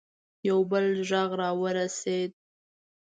یو بل غږ راورسېد.